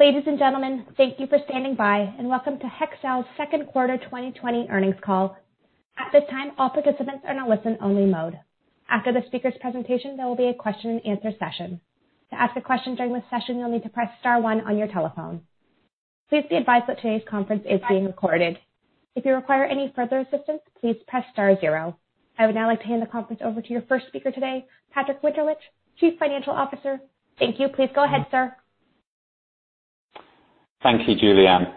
Ladies and gentlemen, thank you for standing by, welcome to Hexcel's second quarter 2020 earnings call. At this time, all participants are in a listen-only mode. After the speaker's presentation, there will be a question and answer session. To ask a question during this session, you'll need to press star one on your telephone. Please be advised that today's conference is being recorded. If you require any further assistance, please press star zero. I would now like to hand the conference over to your first speaker today, Patrick Winterlich, Chief Financial Officer. Thank you. Please go ahead, sir. Thank you, Julianne.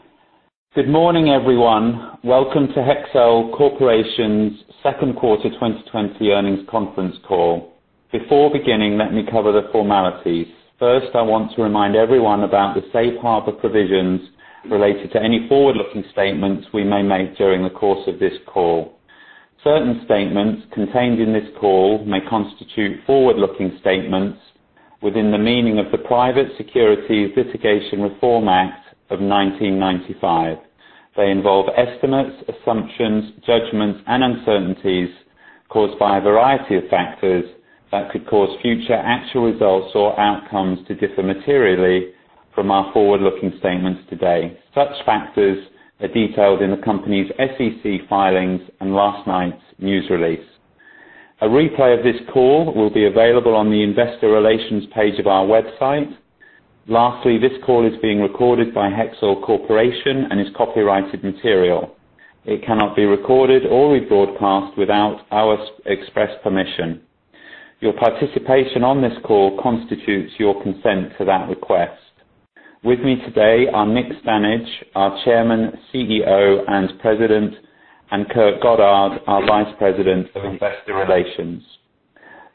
Good morning, everyone. Welcome to Hexcel Corporation's second quarter 2020 earnings conference call. Before beginning, let me cover the formalities. First, I want to remind everyone about the safe harbor provisions related to any forward-looking statements we may make during the course of this call. Certain statements contained in this call may constitute forward-looking statements within the meaning of the Private Securities Litigation Reform Act of 1995. They involve estimates, assumptions, judgments, and uncertainties caused by a variety of factors that could cause future actual results or outcomes to differ materially from our forward-looking statements today. Such factors are detailed in the company's SEC filings and last night's news release. A replay of this call will be available on the investor relations page of our website. Lastly, this call is being recorded by Hexcel Corporation and is copyrighted material. It cannot be recorded or rebroadcast without our express permission. Your participation on this call constitutes your consent to that request. With me today are Nick Stanage, our Chairman, CEO, and President, and Kurt Goddard, our Vice President of Investor Relations.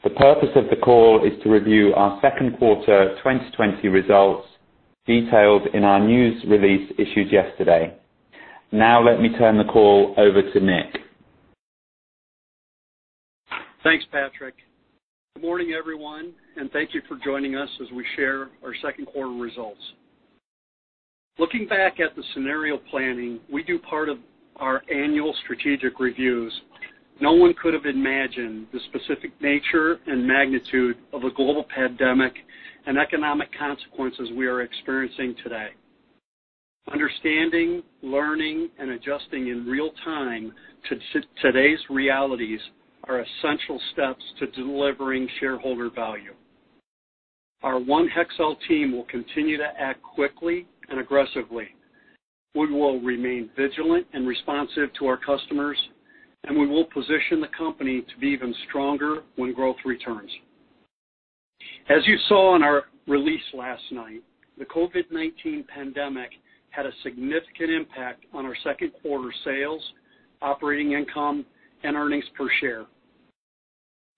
The purpose of the call is to review our second quarter 2020 results detailed in our news release issued yesterday. Now let me turn the call over to Nick. Thanks, Patrick. Good morning, everyone, and thank you for joining us as we share our second quarter results. Looking back at the scenario planning we do part of our annual strategic reviews, no one could have imagined the specific nature and magnitude of a global pandemic and economic consequences we are experiencing today. Understanding, learning, and adjusting in real time to today's realities are essential steps to delivering shareholder value. Our One Hexcel team will continue to act quickly and aggressively. We will remain vigilant and responsive to our customers, and we will position the company to be even stronger when growth returns. As you saw in our release last night, the COVID-19 pandemic had a significant impact on our second quarter sales, operating income, and earnings per share.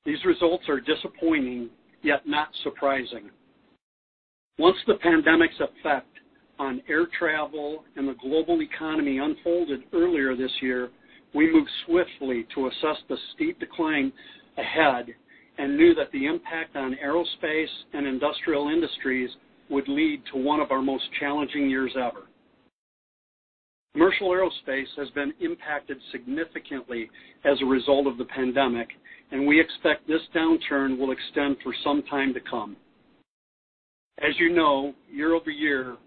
These results are disappointing, yet not surprising. Once the pandemic's effect on air travel and the global economy unfolded earlier this year, we moved swiftly to assess the steep decline ahead and knew that the impact on aerospace and industrial industries would lead to one of our most challenging years ever. Commercial aerospace has been impacted significantly as a result of the pandemic. We expect this downturn will extend for some time to come. As you know, year-over-year,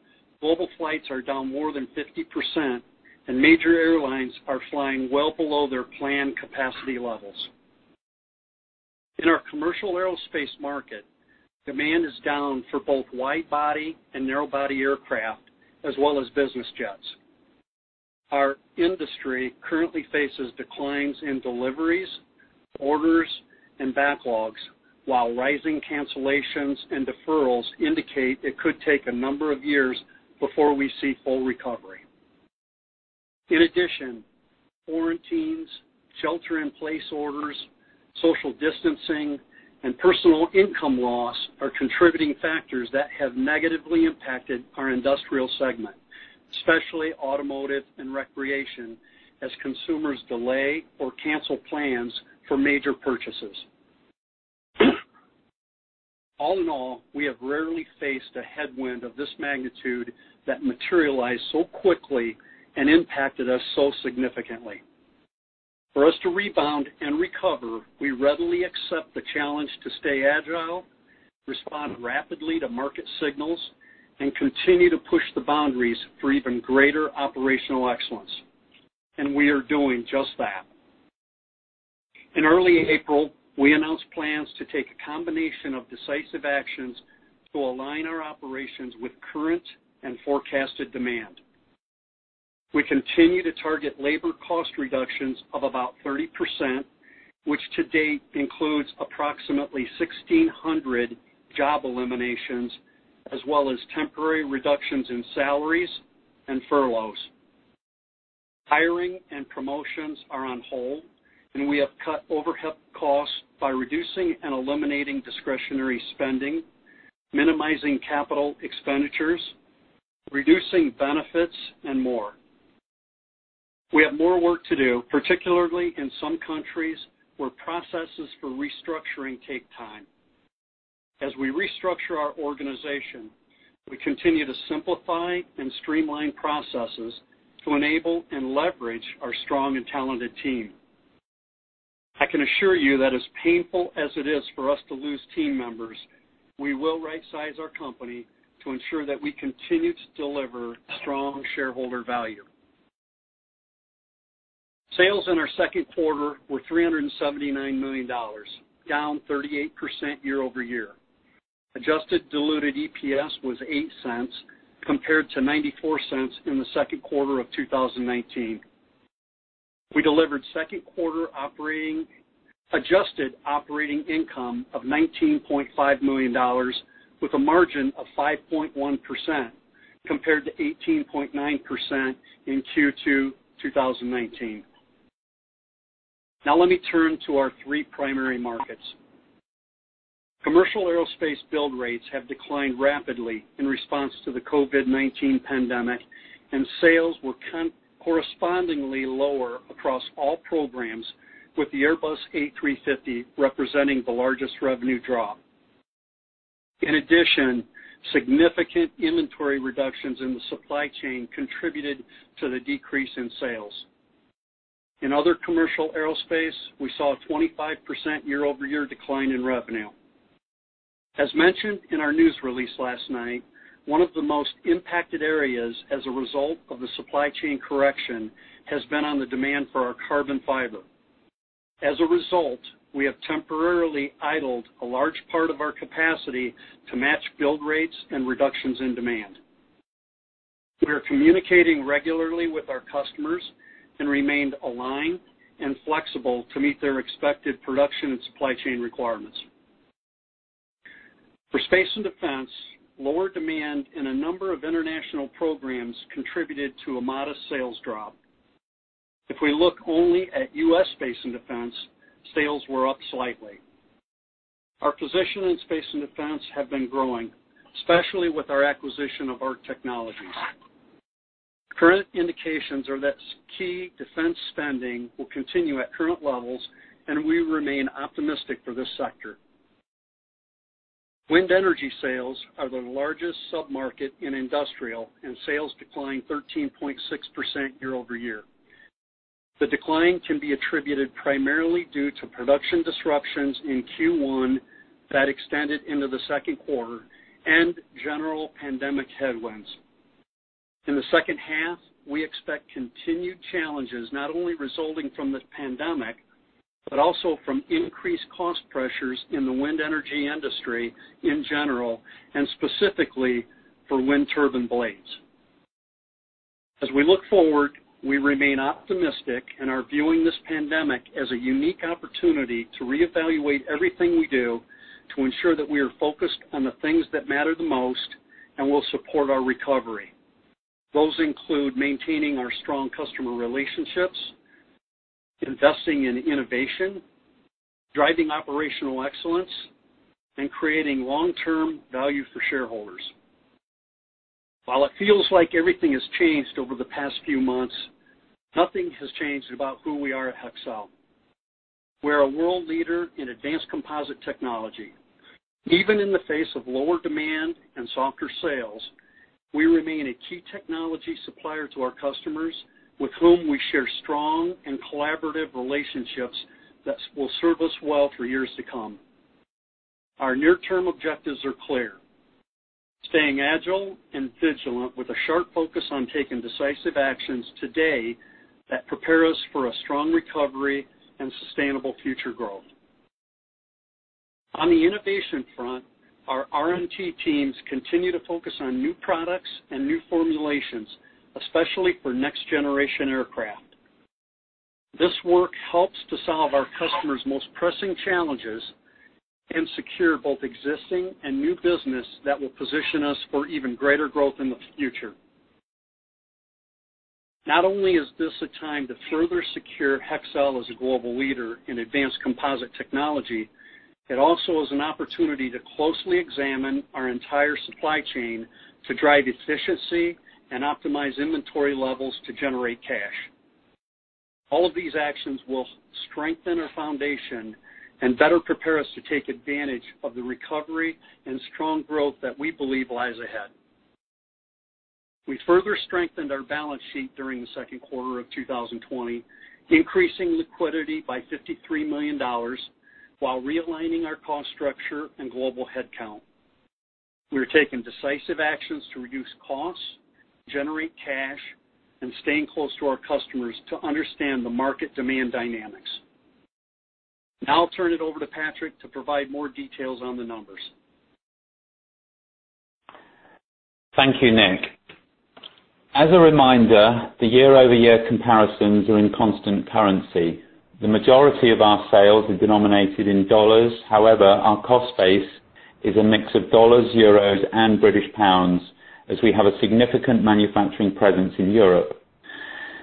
global flights are down more than 50%. Major airlines are flying well below their planned capacity levels. In our commercial aerospace market, demand is down for both wide-body and narrow-body aircraft, as well as business jets. Our industry currently faces declines in deliveries, orders, and backlogs while rising cancellations and deferrals indicate it could take a number of years before we see full recovery. In addition, quarantines, shelter in place orders, social distancing, and personal income loss are contributing factors that have negatively impacted our industrial segment, especially automotive and recreation, as consumers delay or cancel plans for major purchases. All in all, we have rarely faced a headwind of this magnitude that materialized so quickly and impacted us so significantly. For us to rebound and recover, we readily accept the challenge to stay agile, respond rapidly to market signals, and continue to push the boundaries for even greater operational excellence, and we are doing just that. In early April, we announced plans to take a combination of decisive actions to align our operations with current and forecasted demand. We continue to target labor cost reductions of about 30%, which to date includes approximately 1,600 job eliminations, as well as temporary reductions in salaries and furloughs. Hiring and promotions are on hold, and we have cut overhead costs by reducing and eliminating discretionary spending, minimizing capital expenditures, reducing benefits, and more. We have more work to do, particularly in some countries where processes for restructuring take time. As we restructure our organization, we continue to simplify and streamline processes to enable and leverage our strong and talented team. I can assure you that as painful as it is for us to lose team members, we will rightsize our company to ensure that we continue to deliver strong shareholder value. Sales in our second quarter were $379 million, down 38% year-over-year. Adjusted diluted EPS was $0.08 compared to $0.94 in the second quarter of 2019. We delivered second quarter adjusted operating income of $19.5 million with a margin of 5.1%, compared to 18.9% in Q2 2019. Let me turn to our three primary markets. Commercial aerospace build rates have declined rapidly in response to the COVID-19 pandemic, and sales were correspondingly lower across all programs, with the Airbus A350 representing the largest revenue drop. In addition, significant inventory reductions in the supply chain contributed to the decrease in sales. In other commercial aerospace, we saw a 25% year-over-year decline in revenue. As mentioned in our news release last night, one of the most impacted areas as a result of the supply chain correction has been on the demand for our carbon fiber. As a result, we have temporarily idled a large part of our capacity to match build rates and reductions in demand. We are communicating regularly with our customers and remained aligned and flexible to meet their expected production and supply chain requirements. For space and defense, lower demand in a number of international programs contributed to a modest sales drop. If we look only at U.S. Space and Defense, sales were up slightly. Our position in space and defense have been growing, especially with our acquisition of ARC Technologies. Current indications are that key defense spending will continue at current levels, and we remain optimistic for this sector. Wind energy sales are the largest sub-market in industrial, and sales declined 13.6% year-over-year. The decline can be attributed primarily due to production disruptions in Q1 that extended into the second quarter and general pandemic headwinds. In the second half, we expect continued challenges, not only resulting from the pandemic, but also from increased cost pressures in the wind energy industry in general, and specifically for wind turbine blades. As we look forward, we remain optimistic and are viewing this pandemic as a unique opportunity to reevaluate everything we do to ensure that we are focused on the things that matter the most and will support our recovery. Those include maintaining our strong customer relationships, investing in innovation, driving operational excellence, and creating long-term value for shareholders. While it feels like everything has changed over the past few months, nothing has changed about who we are at Hexcel. We're a world leader in advanced composite technology. Even in the face of lower demand and softer sales, we remain a key technology supplier to our customers, with whom we share strong and collaborative relationships that will serve us well for years to come. Our near-term objectives are clear. Staying agile and vigilant with a sharp focus on taking decisive actions today that prepare us for a strong recovery and sustainable future growth. On the innovation front, our R&T teams continue to focus on new products and new formulations, especially for next-generation aircraft. This work helps to solve our customers' most pressing challenges and secure both existing and new business that will position us for even greater growth in the future. Not only is this a time to further secure Hexcel as a global leader in advanced composite technology, it also is an opportunity to closely examine our entire supply chain to drive efficiency and optimize inventory levels to generate cash. All of these actions will strengthen our foundation and better prepare us to take advantage of the recovery and strong growth that we believe lies ahead. We further strengthened our balance sheet during the second quarter of 2020, increasing liquidity by $53 million while realigning our cost structure and global headcount. We are taking decisive actions to reduce costs, generate cash, and staying close to our customers to understand the market demand dynamics. Now I'll turn it over to Patrick to provide more details on the numbers. Thank you, Nick. As a reminder, the year-over-year comparisons are in constant currency. The majority of our sales are denominated in dollars. However, our cost base is a mix of dollars, euros, and British pounds as we have a significant manufacturing presence in Europe.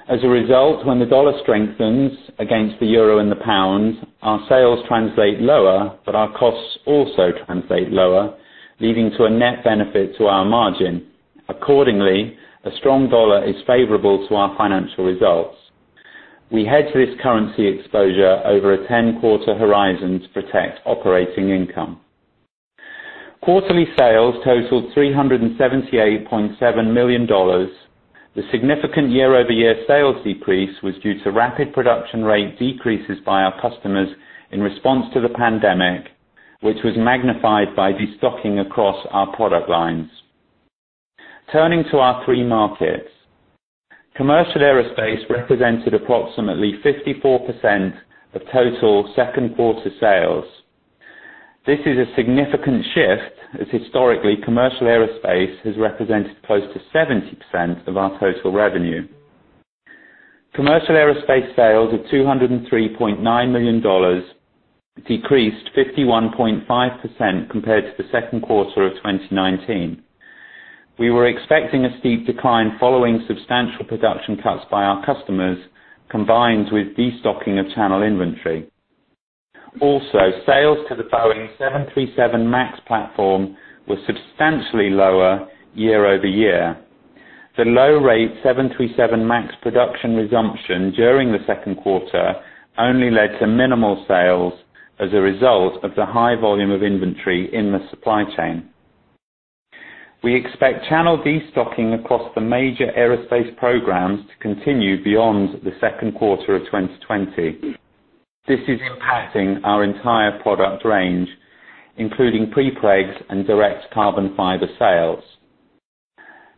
As a result, when the dollar strengthens against the euro and the pound, our sales translate lower, but our costs also translate lower, leading to a net benefit to our margin. Accordingly, a strong dollar is favorable to our financial results. We hedge this currency exposure over a 10-quarter horizon to protect operating income. Quarterly sales totaled $378.7 million. The significant year-over-year sales decrease was due to rapid production rate decreases by our customers in response to the COVID-19, which was magnified by de-stocking across our product lines. Turning to our three markets, commercial aerospace represented approximately 54% of total second quarter sales. This is a significant shift, as historically, commercial aerospace has represented close to 70% of our total revenue. Commercial aerospace sales of $203.9 million decreased 51.5% compared to the second quarter of 2019. We were expecting a steep decline following substantial production cuts by our customers, combined with de-stocking of channel inventory. Also, sales to the Boeing 737 MAX platform were substantially lower year-over-year. The low rate 737 MAX production resumption during the second quarter only led to minimal sales as a result of the high volume of inventory in the supply chain. We expect channel de-stocking across the major aerospace programs to continue beyond the second quarter of 2020. This is impacting our entire product range, including prepregs and direct carbon fiber sales.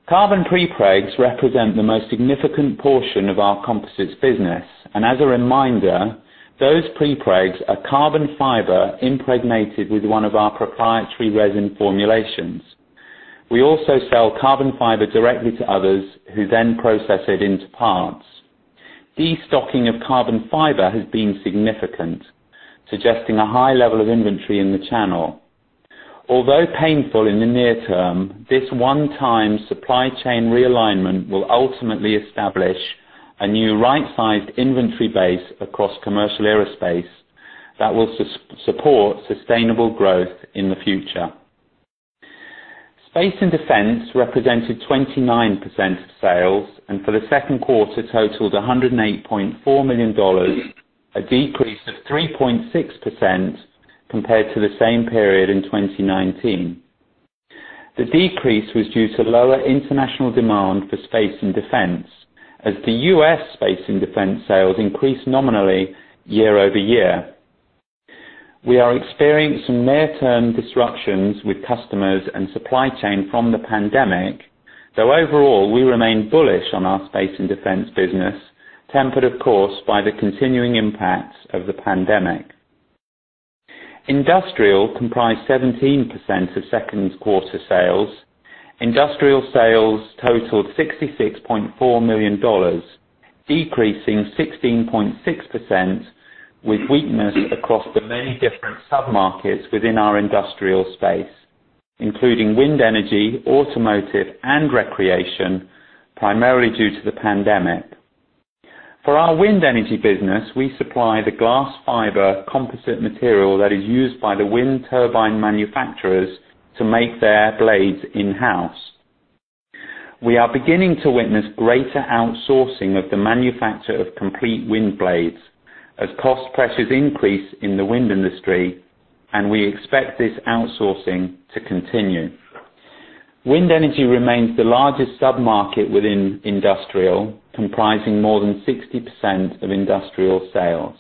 Carbon prepregs represent the most significant portion of our composites business, and as a reminder, those prepregs are carbon fiber impregnated with one of our proprietary resin formulations. We also sell carbon fiber directly to others, who then process it into parts. De-stocking of carbon fiber has been significant, suggesting a high level of inventory in the channel. Although painful in the near term, this one-time supply chain realignment will ultimately establish a new right-sized inventory base across commercial aerospace that will support sustainable growth in the future. Space and defense represented 29% of sales, and for the second quarter, totaled $108.4 million, a decrease of 3.6% compared to the same period in 2019. The decrease was due to lower international demand for space and defense, as the U.S. space and defense sales increased nominally year-over-year. We are experiencing near-term disruptions with customers and supply chain from the pandemic, though overall, we remain bullish on our space and defense business, tempered, of course, by the continuing impacts of the pandemic. Industrial comprised 17% of second quarter sales. Industrial sales totaled $66.4 million, decreasing 16.6%, with weakness across the many different sub-markets within our industrial space, including wind energy, automotive, and recreation, primarily due to the pandemic. For our wind energy business, we supply the glass fiber composite material that is used by the wind turbine manufacturers to make their blades in-house. We are beginning to witness greater outsourcing of the manufacture of complete wind blades as cost pressures increase in the wind industry, and we expect this outsourcing to continue. Wind energy remains the largest sub-market within industrial, comprising more than 60% of industrial sales.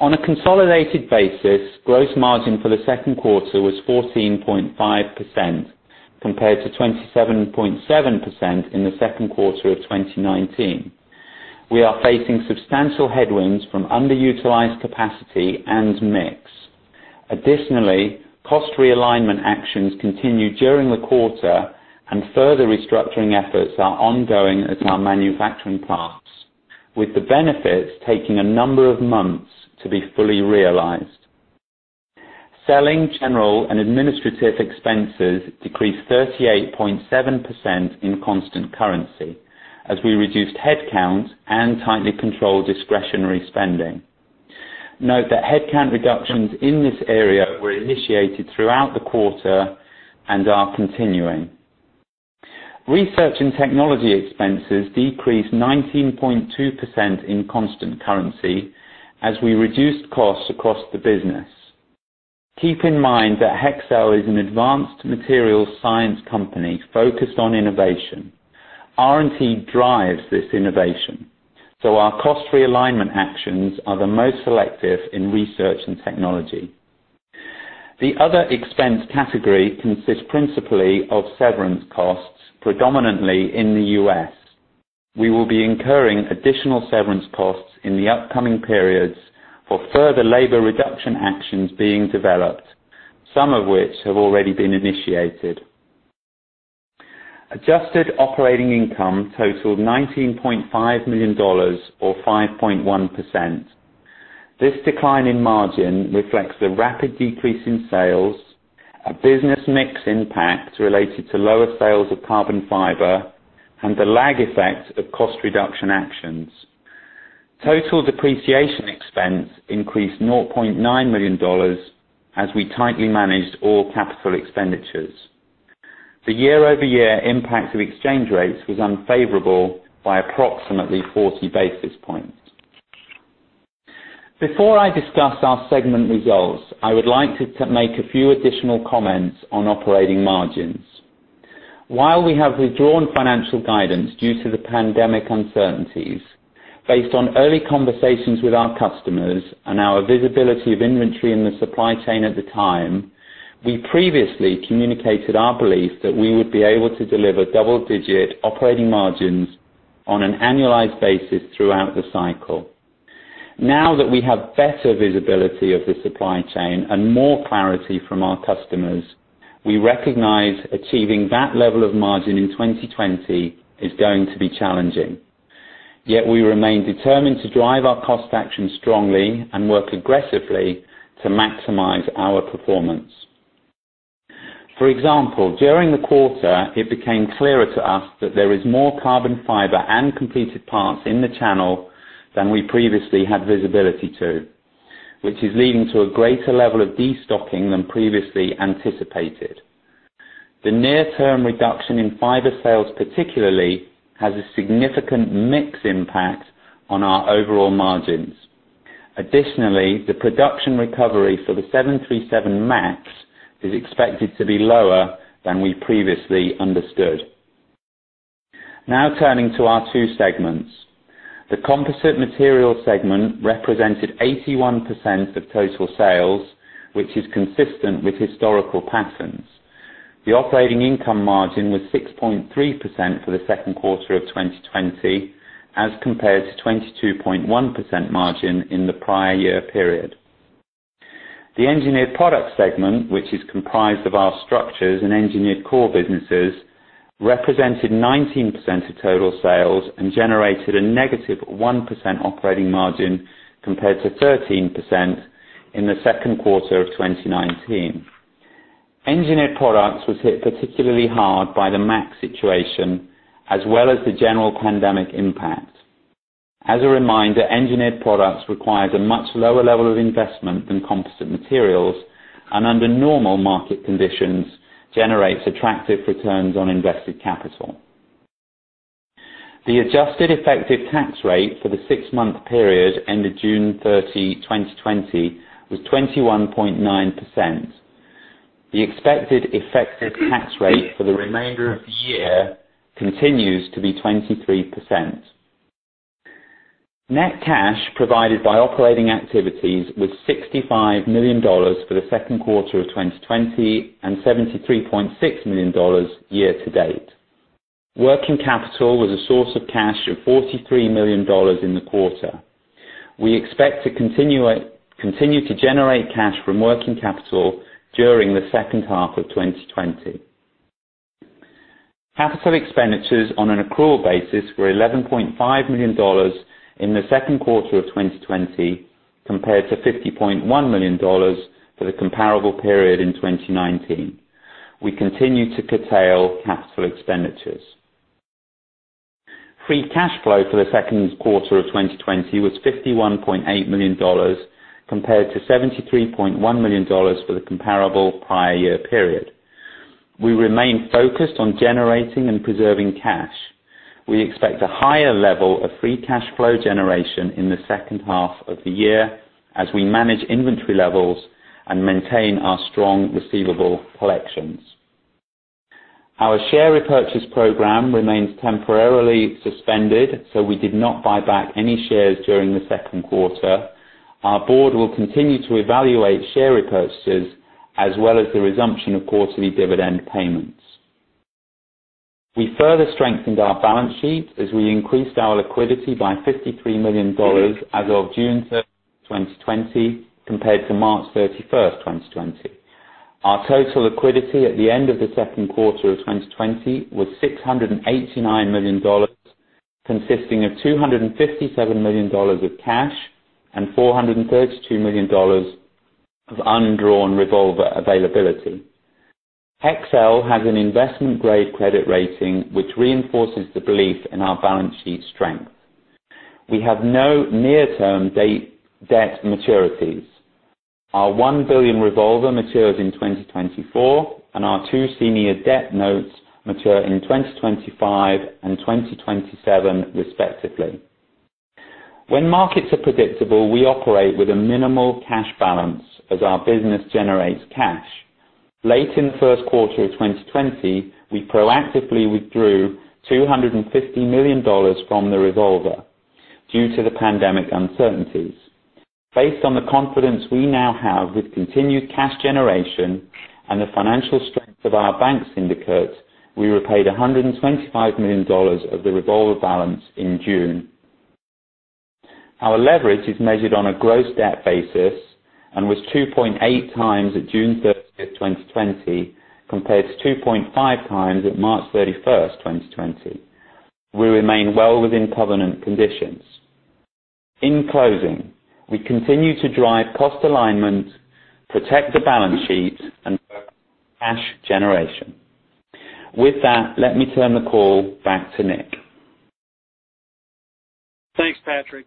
On a consolidated basis, gross margin for the second quarter was 14.5% compared to 27.7% in the second quarter of 2019. We are facing substantial headwinds from underutilized capacity and mix. Additionally, cost realignment actions continued during the quarter and further restructuring efforts are ongoing at our manufacturing plants, with the benefits taking a number of months to be fully realized. Selling, general and administrative expenses decreased 38.7% in constant currency as we reduced headcount and tightly controlled discretionary spending. Note that headcount reductions in this area were initiated throughout the quarter and are continuing. Research and technology expenses decreased 19.2% in constant currency as we reduced costs across the business. Keep in mind that Hexcel is an advanced material science company focused on innovation. R&T drives this innovation, so our cost realignment actions are the most selective in research and technology. The other expense category consists principally of severance costs, predominantly in the U.S. We will be incurring additional severance costs in the upcoming periods for further labor reduction actions being developed, some of which have already been initiated. Adjusted operating income totaled $19.5 million or 5.1%. This decline in margin reflects the rapid decrease in sales, a business mix impact related to lower sales of carbon fiber, and the lag effect of cost reduction actions. Total depreciation expense increased $0.9 million as we tightly managed all capital expenditures. The year-over-year impact of exchange rates was unfavorable by approximately 40 basis points. Before I discuss our segment results, I would like to make a few additional comments on operating margins. While we have withdrawn financial guidance due to the pandemic uncertainties, based on early conversations with our customers and our visibility of inventory in the supply chain at the time, we previously communicated our belief that we would be able to deliver double-digit operating margins on an annualized basis throughout the cycle. Now that we have better visibility of the supply chain and more clarity from our customers, we recognize achieving that level of margin in 2020 is going to be challenging. We remain determined to drive our cost action strongly and work aggressively to maximize our performance. For example, during the quarter, it became clearer to us that there is more carbon fiber and completed parts in the channel than we previously had visibility to, which is leading to a greater level of destocking than previously anticipated. The near-term reduction in fiber sales particularly has a significant mix impact on our overall margins. Additionally, the production recovery for the 737 MAX is expected to be lower than we previously understood. Now turning to our two segments. The Composite Materials segment represented 81% of total sales, which is consistent with historical patterns. The operating income margin was 6.3% for the second quarter of 2020 as compared to 22.1% margin in the prior year period. The Engineered Products segment, which is comprised of our structures and engineered core businesses, represented 19% of total sales and generated a negative 1% operating margin compared to 13% in the second quarter of 2019. Engineered Products was hit particularly hard by the MAX situation as well as the general pandemic impact. As a reminder, Engineered Products requires a much lower level of investment than Composite Materials, and under normal market conditions, generates attractive returns on invested capital. The adjusted effective tax rate for the six-month period ended June 30, 2020 was 21.9%. The expected effective tax rate for the remainder of the year continues to be 23%. Net cash provided by operating activities was $65 million for the second quarter of 2020 and $73.6 million year to date. Working capital was a source of cash of $43 million in the quarter. We expect to continue to generate cash from working capital during the second half of 2020. Capital expenditures on an accrual basis were $11.5 million in the second quarter of 2020 compared to $50.1 million for the comparable period in 2019. We continue to curtail capital expenditures. Free cash flow for the second quarter of 2020 was $51.8 million compared to $73.1 million for the comparable prior year period. We remain focused on generating and preserving cash. We expect a higher level of free cash flow generation in the second half of the year as we manage inventory levels and maintain our strong receivable collections. Our share repurchase program remains temporarily suspended, so we did not buy back any shares during the second quarter. Our board will continue to evaluate share repurchases as well as the resumption of quarterly dividend payments. We further strengthened our balance sheet as we increased our liquidity by $53 million as of June 30, 2020, compared to March 31st, 2020. Our total liquidity at the end of the second quarter of 2020 was $689 million, consisting of $257 million of cash and $432 million of undrawn revolver availability. Hexcel has an investment-grade credit rating, which reinforces the belief in our balance sheet strength. We have no near-term debt maturities. Our $1 billion revolver matures in 2024, and our two senior debt notes mature in 2025 and 2027, respectively. When markets are predictable, we operate with a minimal cash balance as our business generates cash. Late in the first quarter of 2020, we proactively withdrew $250 million from the revolver due to the pandemic uncertainties. Based on the confidence we now have with continued cash generation and the financial strength of our bank syndicate, we repaid $125 million of the revolver balance in June. Our leverage is measured on a gross debt basis and was 2.8x at June 30th, 2020, compared to 2.5x at March 31st, 2020. We remain well within covenant conditions. In closing, we continue to drive cost alignment, protect the balance sheet and cash generation. With that, let me turn the call back to Nick. Thanks, Patrick.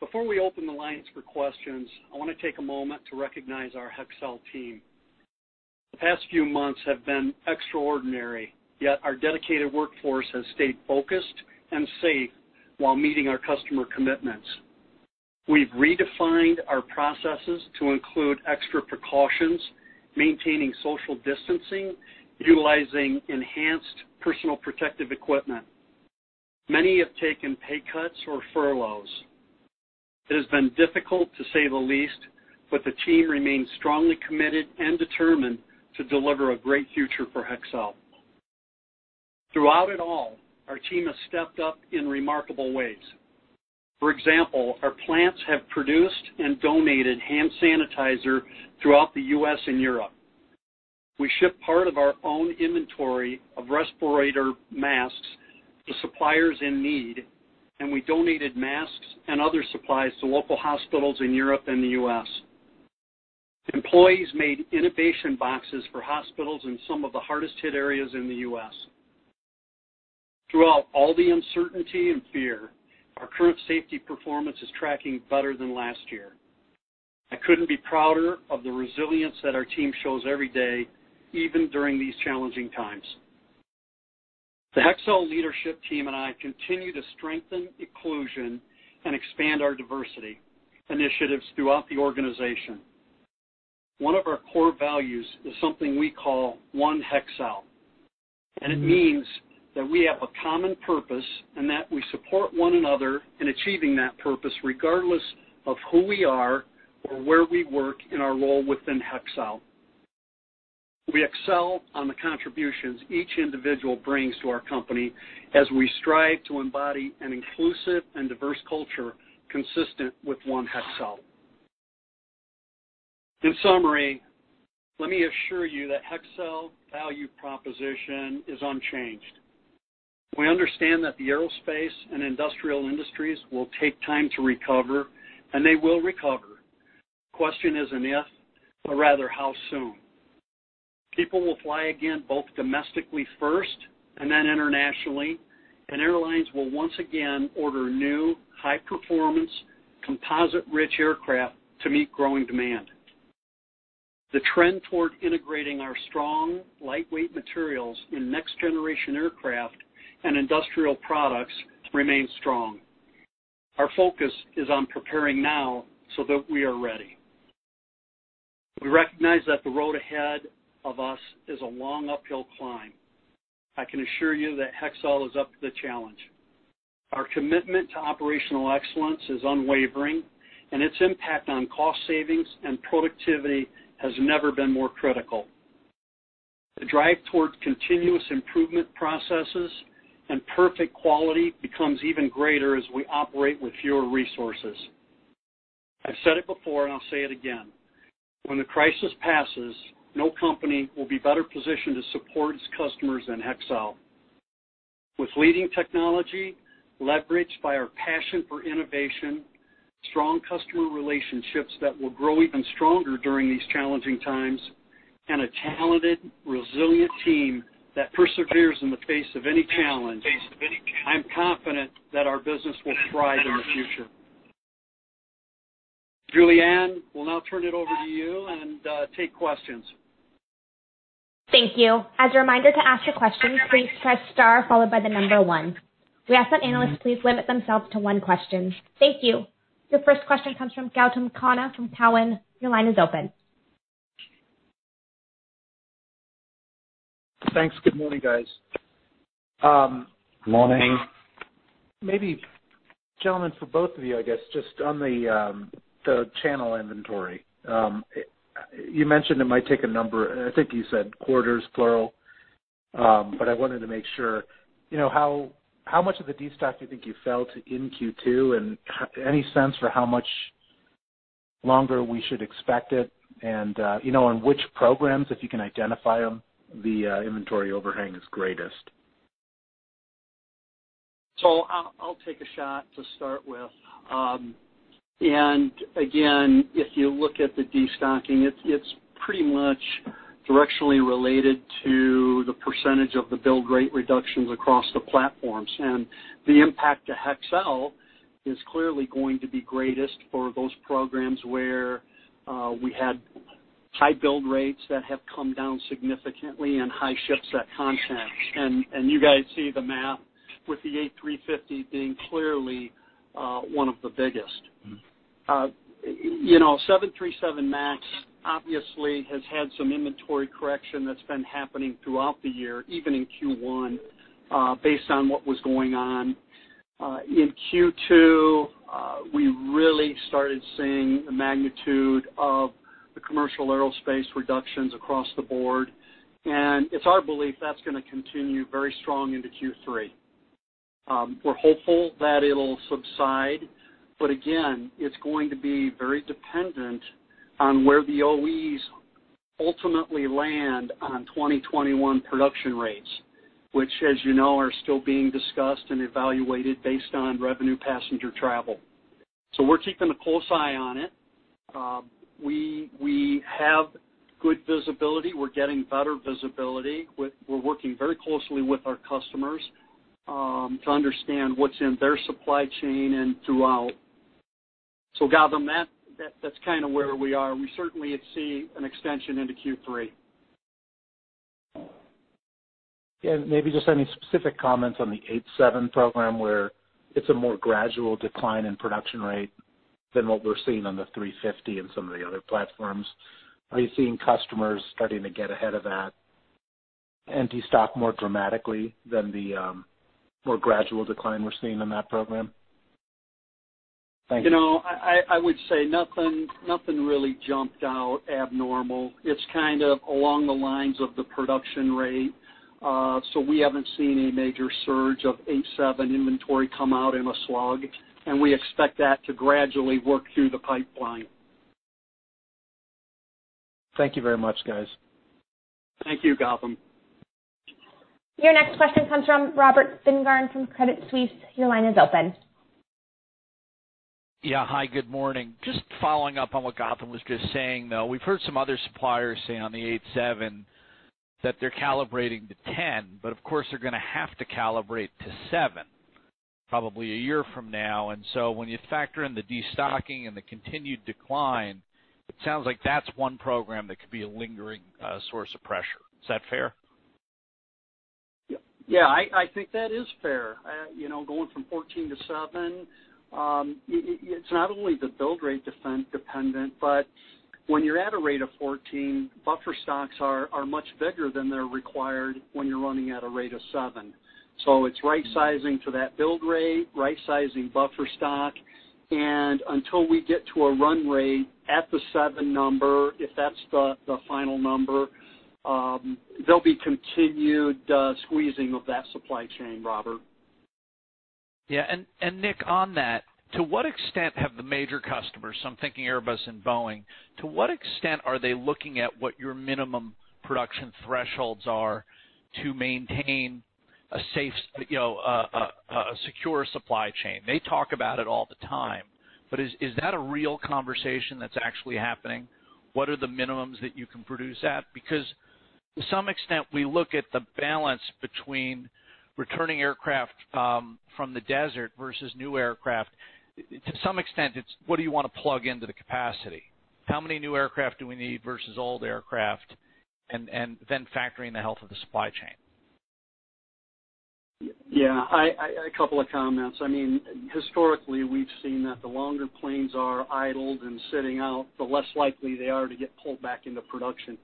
Before we open the lines for questions, I want to take a moment to recognize our Hexcel team. The past few months have been extraordinary, yet our dedicated workforce has stayed focused and safe while meeting our customer commitments. We've redefined our processes to include extra precautions, maintaining social distancing, utilizing enhanced personal protective equipment. Many have taken pay cuts or furloughs. It has been difficult, to say the least, but the team remains strongly committed and determined to deliver a great future for Hexcel. Throughout it all, our team has stepped up in remarkable ways. For example, our plants have produced and donated hand sanitizer throughout the U.S. and Europe. We shipped part of our own inventory of respirator masks to suppliers in need, and we donated masks and other supplies to local hospitals in Europe and the U.S. Employees made intubation boxes for hospitals in some of the hardest hit areas in the U.S. Throughout all the uncertainty and fear, our current safety performance is tracking better than last year. I couldn't be prouder of the resilience that our team shows every day, even during these challenging times. The Hexcel leadership team and I continue to strengthen inclusion and expand our diversity initiatives throughout the organization. One of our core values is something we call One Hexcel. It means that we have a common purpose and that we support one another in achieving that purpose, regardless of who we are or where we work in our role within Hexcel. We excel on the contributions each individual brings to our company as we strive to embody an inclusive and diverse culture consistent with One Hexcel. In summary, let me assure you that Hexcel value proposition is unchanged. We understand that the aerospace and industrial industries will take time to recover, and they will recover. Question isn't if, but rather how soon. People will fly again, both domestically first and then internationally, airlines will once again order new high-performance composite-rich aircraft to meet growing demand. The trend toward integrating our strong lightweight materials in next-generation aircraft and industrial products remains strong. Our focus is on preparing now so that we are ready. We recognize that the road ahead of us is a long uphill climb. I can assure you that Hexcel is up to the challenge. Our commitment to operational excellence is unwavering, and its impact on cost savings and productivity has never been more critical. The drive towards continuous improvement processes and perfect quality becomes even greater as we operate with fewer resources. I've said it before and I'll say it again. When the crisis passes, no company will be better positioned to support its customers than Hexcel. With leading technology leveraged by our passion for innovation, strong customer relationships that will grow even stronger during these challenging times, and a talented, resilient team that perseveres in the face of any challenge, I'm confident that our business will thrive in the future. Julianne, we'll now turn it over to you and take questions. Thank you. As a reminder to ask your questions, please press star followed by the number one. We ask that analysts please limit themselves to one question. Thank you. Your first question comes from Gautam Khanna from Cowen. Your line is open. Thanks. Good morning, guys. Morning. Maybe, gentlemen, for both of you, I guess, just on the channel inventory. You mentioned it might take a number, I think you said quarters plural. I wanted to make sure, how much of the destock do you think you felt in Q2, and any sense for how much longer we should expect it and, on which programs, if you can identify them, the inventory overhang is greatest? I'll take a shot to start with. If you look at the destocking, it's pretty much directionally related to the percentage of the build rate reductions across the platforms. The impact to Hexcel is clearly going to be greatest for those programs where we had high build rates that have come down significantly and high ship-set content. You guys see the math with the A350 being clearly one of the biggest. 737 MAX obviously has had some inventory correction that's been happening throughout the year, even in Q1, based on what was going on. In Q2, we really started seeing the magnitude of the commercial aerospace reductions across the board, and it's our belief that's going to continue very strong into Q3. We're hopeful that it'll subside, but again, it's going to be very dependent on where the OEs ultimately land on 2021 production rates, which as you know, are still being discussed and evaluated based on revenue passenger travel. We're keeping a close eye on it. We have good visibility. We're getting better visibility. We're working very closely with our customers to understand what's in their supply chain. Gautam, that's kind of where we are. We certainly see an extension into Q3. Maybe just any specific comments on the 787 program where it's a more gradual decline in production rate than what we're seeing on the A350 and some of the other platforms. Are you seeing customers starting to get ahead of that and destock more dramatically than the more gradual decline we're seeing in that program? Thank you. I would say nothing really jumped out abnormal. It's kind of along the lines of the production rate. We haven't seen a major surge of 787 inventory come out in a slog, and we expect that to gradually work through the pipeline. Thank you very much, guys. Thank you, Gautam. Your next question comes from Robert Spingarn from Credit Suisse. Your line is open. Yeah. Hi, good morning. Just following up on what Gautam was just saying, though, we've heard some other suppliers say on the 787 that they're calibrating to 10, but of course, they're going to have to calibrate to seven probably a year from now. When you factor in the destocking and the continued decline, it sounds like that's one program that could be a lingering source of pressure. Is that fair? Yeah, I think that is fair. Going from 14 to seven, it's not only the build rate dependent, but when you're at a rate of 14, buffer stocks are much bigger than they're required when you're running at a rate of seven. It's right-sizing to that build rate, right-sizing buffer stock, and until we get to a run rate at the seven number, if that's the final number, there'll be continued squeezing of that supply chain, Robert. Yeah. Nick, on that, to what extent have the major customers, so I'm thinking Airbus and Boeing, to what extent are they looking at what your minimum production thresholds are to maintain a secure supply chain? They talk about it all the time, but is that a real conversation that's actually happening? What are the minimums that you can produce at? Because to some extent, we look at the balance between returning aircraft from the desert versus new aircraft. To some extent, it's what do you want to plug into the capacity? How many new aircraft do we need versus old aircraft, and then factor in the health of the supply chain. Yeah. A couple of comments. Historically, we've seen that the longer planes are idled and sitting out, the less likely they are to get pulled back into production.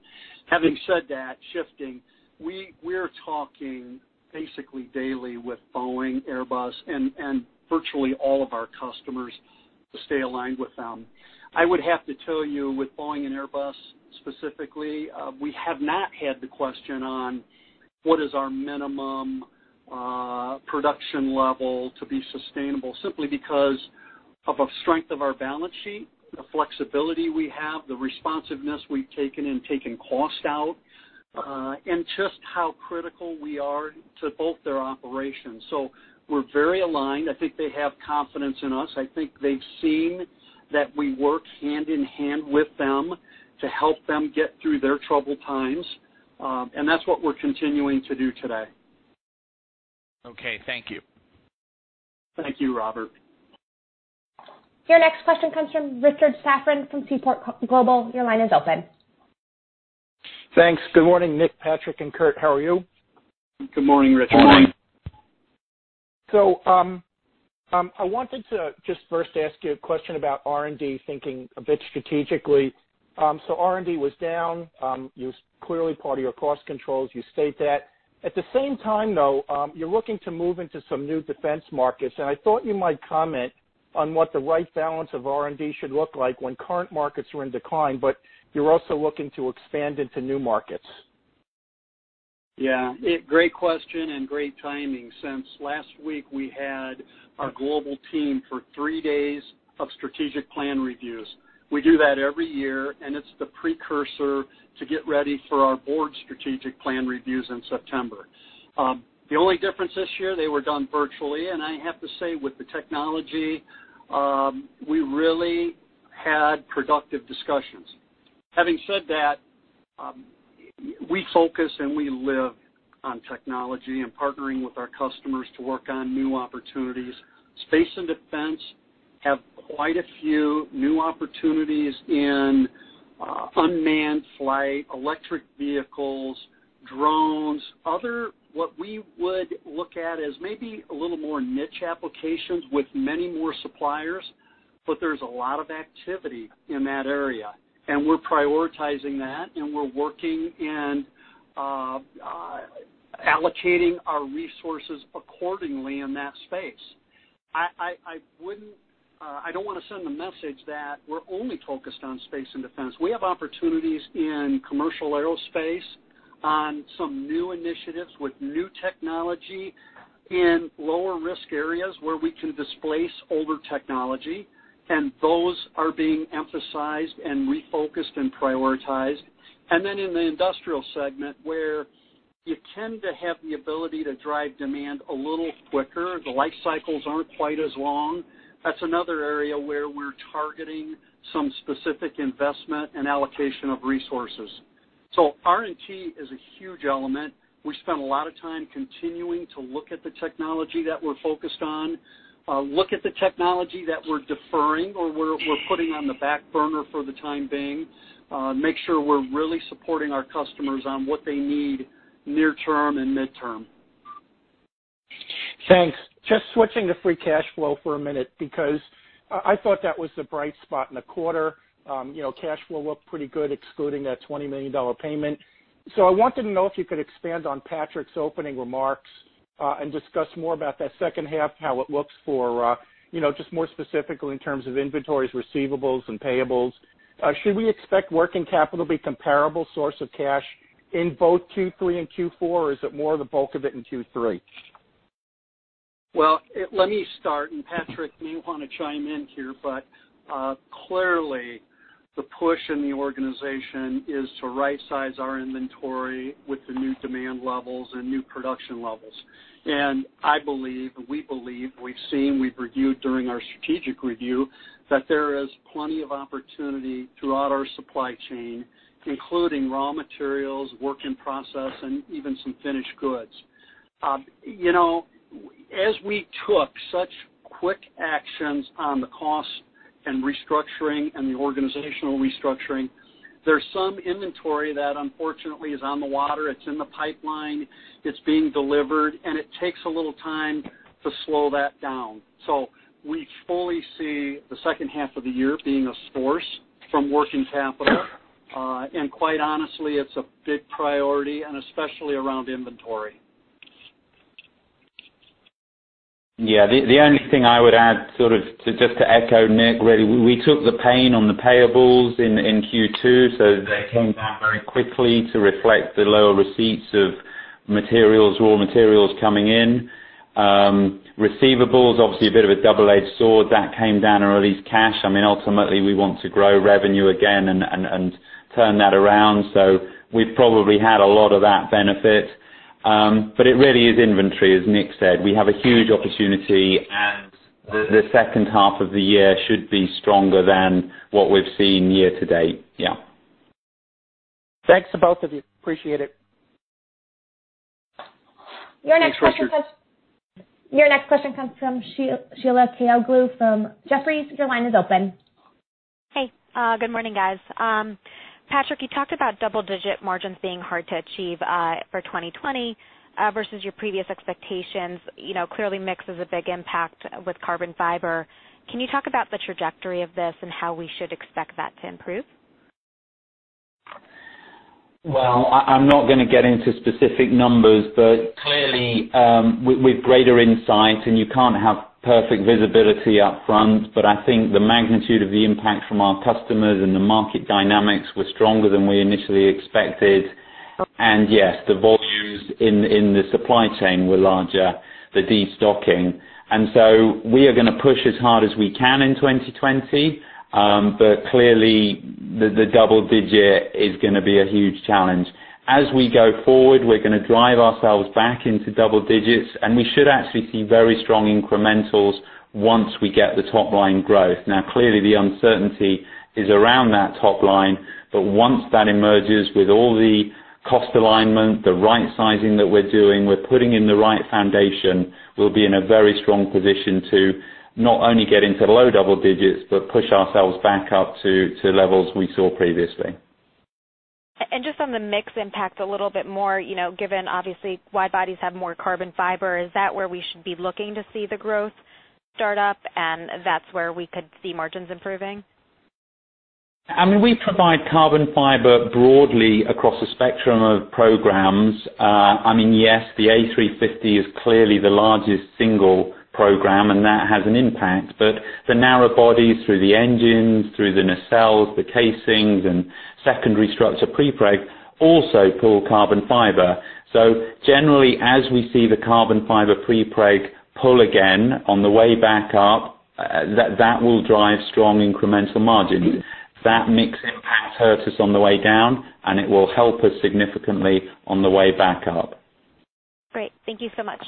Having said that, shifting, we're talking basically daily with Boeing, Airbus, and virtually all of our customers to stay aligned with them. I would have to tell you, with Boeing and Airbus specifically, we have not had the question on what is our minimum production level to be sustainable, simply because of the strength of our balance sheet, the flexibility we have, the responsiveness we've taken in taking cost out, and just how critical we are to both their operations. We're very aligned. I think they have confidence in us. I think they've seen that we work hand in hand with them to help them get through their troubled times. That's what we're continuing to do today. Okay. Thank you. Thank you, Robert. Your next question comes from Richard Safran from Seaport Global. Your line is open. Thanks. Good morning, Nick, Patrick, and Kurt. How are you? Good morning, Richard. I wanted to just first ask you a question about R&D, thinking a bit strategically. R&D was down. It was clearly part of your cost controls, you state that. At the same time, though, you're looking to move into some new defense markets, and I thought you might comment on what the right balance of R&D should look like when current markets are in decline, but you're also looking to expand into new markets. Yeah. Great question, and great timing, since last week we had our global team for three days of strategic plan reviews. We do that every year, and it's the precursor to get ready for our board strategic plan reviews in September. The only difference this year, they were done virtually, and I have to say, with the technology, we really had productive discussions. Having said that, we focus and we live on technology and partnering with our customers to work on new opportunities. Space and defense have quite a few new opportunities in unmanned flight, electric vehicles, drones, other what we would look at as maybe a little more niche applications with many more suppliers, but there's a lot of activity in that area, and we're prioritizing that, and we're working in allocating our resources accordingly in that space. I don't want to send the message that we're only focused on space and defense. We have opportunities in commercial aerospace on some new initiatives with new technology in lower-risk areas where we can displace older technology, and those are being emphasized and refocused and prioritized. Then in the industrial segment, where you tend to have the ability to drive demand a little quicker, the life cycles aren't quite as long. That's another area where we're targeting some specific investment and allocation of resources. R&T is a huge element. We spend a lot of time continuing to look at the technology that we're focused on, look at the technology that we're deferring or we're putting on the back burner for the time being. Make sure we're really supporting our customers on what they need near term and midterm. Thanks. Switching to free cash flow for a minute, because I thought that was the bright spot in the quarter. Cash flow looked pretty good excluding that $20 million payment. I wanted to know if you could expand on Patrick's opening remarks, and discuss more about that second half, how it looks more specifically in terms of inventories, receivables, and payables. Should we expect working capital be comparable source of cash in both Q3 and Q4, or is it more the bulk of it in Q3? Well, let me start, and Patrick, may want to chime in here, but, clearly the push in the organization is to right-size our inventory with the new demand levels and new production levels. I believe, and we believe, we've seen, we've reviewed during our strategic review that there is plenty of opportunity throughout our supply chain, including raw materials, work in process, and even some finished goods. As we took such quick actions on the cost and restructuring and the organizational restructuring, there's some inventory that unfortunately is on the water. It's in the pipeline. It's being delivered, and it takes a little time to slow that down. We fully see the second half of the year being a source from working capital. Quite honestly, it's a big priority and especially around inventory. The only thing I would add, just to echo Nick, really, we took the pain on the payables in Q2, so they came down very quickly to reflect the lower receipts of materials, raw materials coming in. Receivables, obviously a bit of a double-edged sword, that came down or at least cash. I mean, ultimately, we want to grow revenue again and turn that around. We've probably had a lot of that benefit. It really is inventory, as Nick said. We have a huge opportunity, and the second half of the year should be stronger than what we've seen year to date. Thanks to both of you. Appreciate it. Thanks, Richard. Your next question comes from Sheila Kahyaoglu from Jefferies. Your line is open. Hey. Good morning, guys. Patrick, you talked about double-digit margins being hard to achieve, for 2020, versus your previous expectations. Clearly mix is a big impact with carbon fiber. Can you talk about the trajectory of this and how we should expect that to improve? Well, I'm not going to get into specific numbers, but clearly, with greater insight, and you can't have perfect visibility up front, but I think the magnitude of the impact from our customers and the market dynamics were stronger than we initially expected. Yes, the volumes in the supply chain were larger, the destocking. So we are going to push as hard as we can in 2020. Clearly, the double digit is going to be a huge challenge. As we go forward, we're going to drive ourselves back into double digits, and we should actually see very strong incrementals once we get the top line growth. Clearly, the uncertainty is around that top line, but once that emerges with all the cost alignment, the right sizing that we're doing, we're putting in the right foundation, we'll be in a very strong position to not only get into low double digits, but push ourselves back up to levels we saw previously. Just on the mix impact a little bit more, given obviously wide bodies have more carbon fiber, is that where we should be looking to see the growth start up and that's where we could see margins improving? I mean, we provide carbon fiber broadly across a spectrum of programs. Yes, the A350 is clearly the largest single program, and that has an impact, but the narrow bodies through the engines, through the nacelles, the casings, and secondary structure prepreg also pull carbon fiber. Generally, as we see the carbon fiber prepreg pull again on the way back up, that will drive strong incremental margins. That mix impact hurt us on the way down, and it will help us significantly on the way back up. Great. Thank you so much.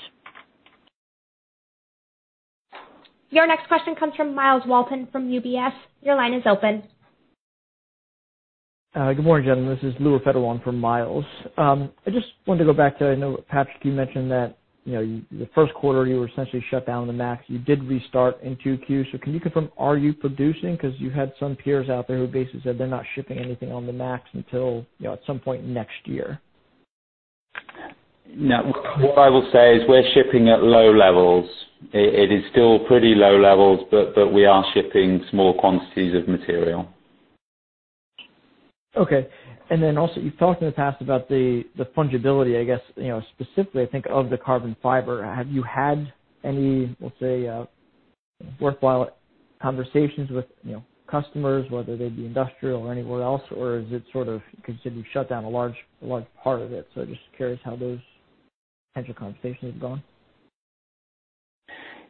Your next question comes from Myles Walton from UBS. Your line is open. Good morning, gentlemen. This is Louis Raffetto for Myles. I just wanted to go back to, I know Patrick, you mentioned that the first quarter you were essentially shut down the MAX. You did restart in Q2. Can you confirm, are you producing? Because you had some peers out there who basically said they're not shipping anything on the MAX until at some point next year. Now, what I will say is we're shipping at low levels. It is still pretty low levels, but we are shipping small quantities of material. Okay. Also, you've talked in the past about the fungibility, I guess, specifically I think of the carbon fiber. Have you had any, let's say, worthwhile conversations with customers, whether they be industrial or anywhere else, or is it sort of because you've shut down a large part of it? Just curious how those types of conversations have gone.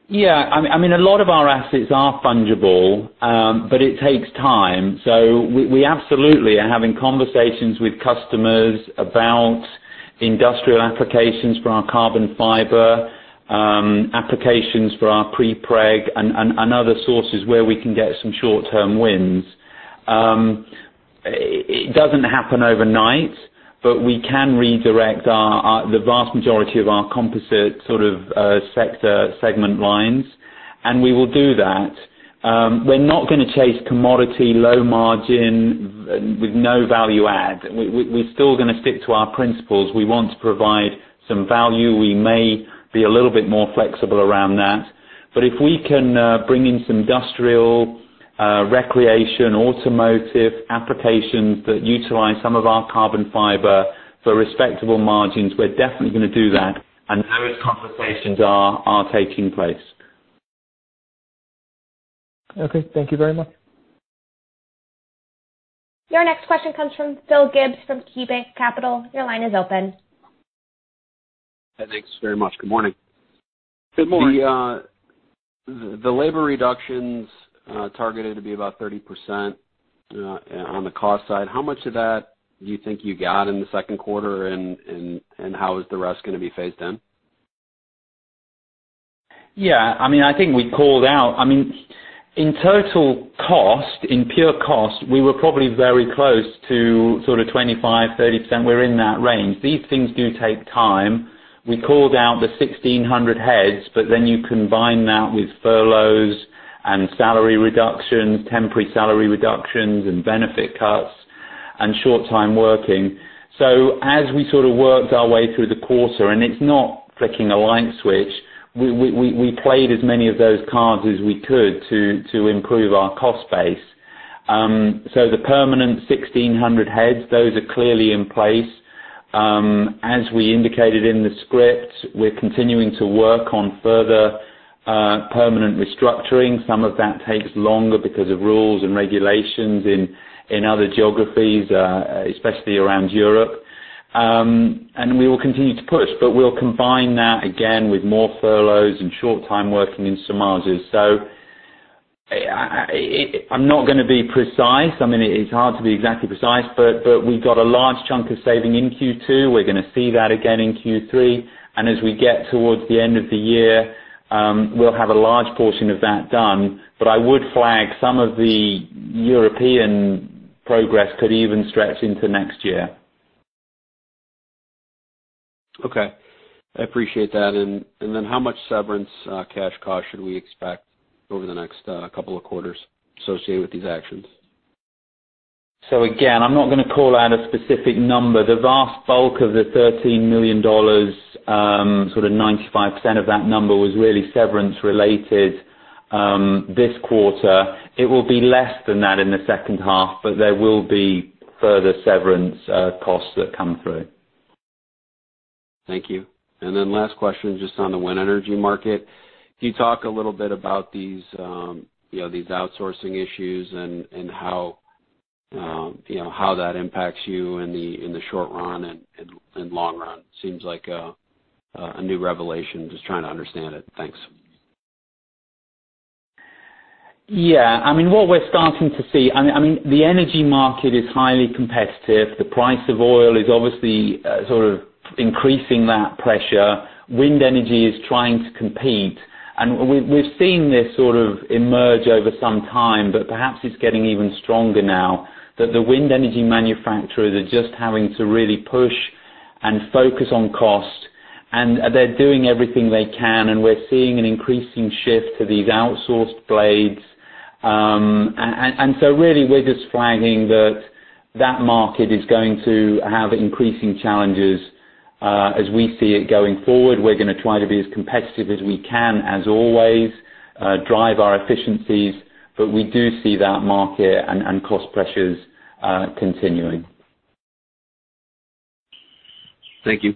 Yeah. I mean, a lot of our assets are fungible, but it takes time. We absolutely are having conversations with customers about industrial applications for our carbon fiber, applications for our prepreg and other sources where we can get some short-term wins. It doesn't happen overnight, but we can redirect the vast majority of our composite sort of sector segment lines, and we will do that. We're not going to chase commodity, low margin with no value add. We're still going to stick to our principles. We want to provide some value. We may be a little bit more flexible around that. If we can bring in some industrial recreation, automotive applications that utilize some of our carbon fiber for respectable margins, we're definitely going to do that, and those conversations are taking place. Okay. Thank you very much. Your next question comes from Phil Gibbs from KeyBanc Capital. Your line is open. Thanks very much. Good morning. Good morning. The labor reductions targeted to be about 30% on the cost side, how much of that do you think you got in the second quarter, and how is the rest going to be phased in? Yeah, I think we called out. In total cost, in pure cost, we were probably very close to sort of 25%-30%. We're in that range. These things do take time. We called out the 1,600 heads, but then you combine that with furloughs and salary reductions, temporary salary reductions and benefit cuts and short time working. As we sort of worked our way through the quarter, and it's not flicking a light switch, we played as many of those cards as we could to improve our cost base. The permanent 1,600 heads, those are clearly in place. As we indicated in the script, we're continuing to work on further permanent restructuring. Some of that takes longer because of rules and regulations in other geographies, especially around Europe. We will continue to push, but we'll combine that again with more furloughs and short time working in some areas. I'm not going to be precise. It's hard to be exactly precise, but we got a large chunk of saving in Q2. We're going to see that again in Q3. As we get towards the end of the year, we'll have a large portion of that done. I would flag some of the European progress could even stretch into next year. Okay. I appreciate that. How much severance cash cost should we expect over the next couple of quarters associated with these actions? Again, I'm not going to call out a specific number. The vast bulk of the $13 million, sort of 95% of that number was really severance related this quarter. It will be less than that in the second half, but there will be further severance costs that come through. Thank you. Last question, just on the wind energy market. Can you talk a little bit about these outsourcing issues and how that impacts you in the short run and long run? Seems like a new revelation. Just trying to understand it. Thanks. Yeah. The energy market is highly competitive. The price of oil is obviously sort of increasing that pressure. Wind energy is trying to compete. We've seen this sort of emerge over some time. Perhaps it's getting even stronger now that the wind energy manufacturers are just having to really push and focus on cost. They're doing everything they can, and we're seeing an increasing shift to these outsourced blades. Really, we're just flagging that that market is going to have increasing challenges as we see it going forward. We're going to try to be as competitive as we can, as always, drive our efficiencies. We do see that market and cost pressures continuing. Thank you.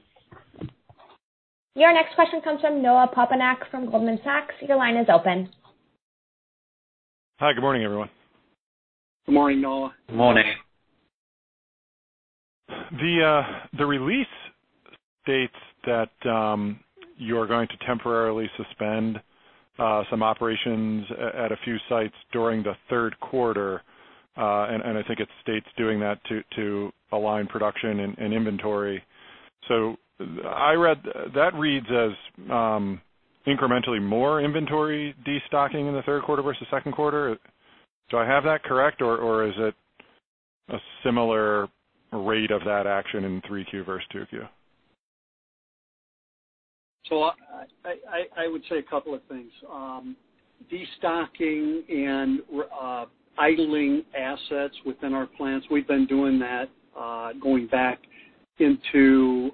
Your next question comes from Noah Poponak from Goldman Sachs. Your line is open. Hi. Good morning, everyone. Good morning, Noah. Morning. The release states that you are going to temporarily suspend some operations at a few sites during the third quarter. I think it states doing that to align production and inventory. That reads as incrementally more inventory destocking in the third quarter versus second quarter. Do I have that correct, or is it a similar rate of that action in 3Q versus 2Q? I would say a couple of things. Destocking and idling assets within our plants, we've been doing that going back into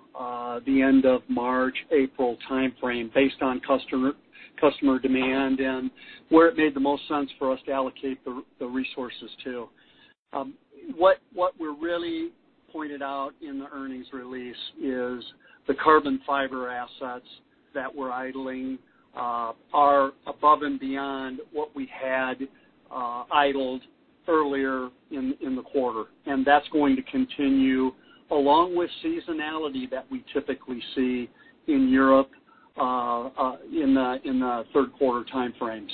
the end of March, April timeframe based on customer demand and where it made the most sense for us to allocate the resources to. What we really pointed out in the earnings release is the carbon fiber assets that we're idling are above and beyond what we had idled earlier in the quarter. That's going to continue along with seasonality that we typically see in Europe. In the third quarter timeframe.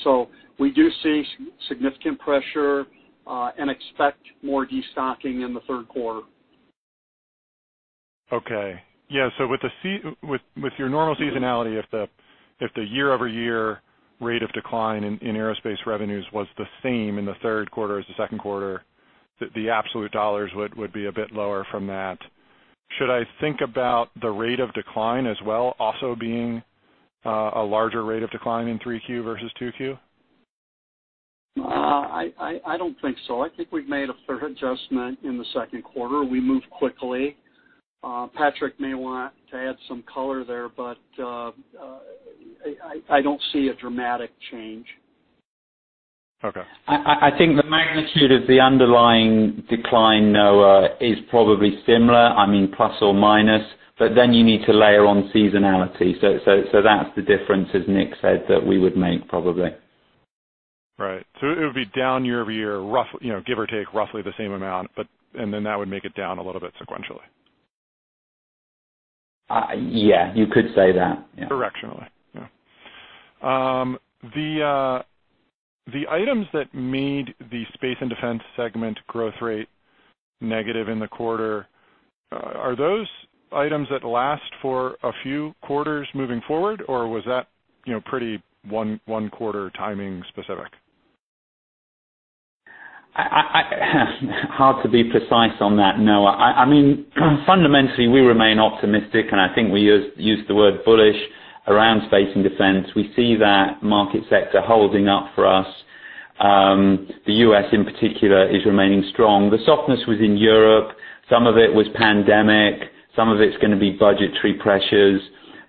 We do see significant pressure and expect more destocking in the third quarter. Okay. Yeah. With your normal seasonality, if the year-over-year rate of decline in aerospace revenues was the same in the third quarter as the second quarter, the absolute dollars would be a bit lower from that. Should I think about the rate of decline as well, also being a larger rate of decline in 3Q versus 2Q? I don't think so. I think we've made a fair adjustment in the second quarter. We moved quickly. Patrick may want to add some color there, but I don't see a dramatic change. Okay. I think the magnitude of the underlying decline, Noah, is probably similar, plus or minus. You need to layer on seasonality. That's the difference, as Nick said, that we would make probably. Right. It would be down year-over-year, give or take, roughly the same amount, and then that would make it down a little bit sequentially. Yeah, you could say that, yeah. Directionally, yeah. The items that made the space and defense segment growth rate negative in the quarter, are those items that last for a few quarters moving forward, or was that pretty one-quarter timing specific? Hard to be precise on that, Noah. Fundamentally, we remain optimistic, and I think we use the word bullish around Space and Defense. We see that market sector holding up for us. The U.S. in particular is remaining strong. The softness was in Europe. Some of it was COVID-19, some of it's going to be budgetary pressures.